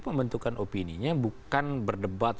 pembentukan opini nya bukan berdebat